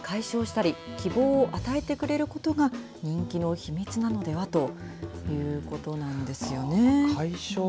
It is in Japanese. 読むことで、それが解消したり希望を与えてくれることが人気の秘密なのではということなんですよね。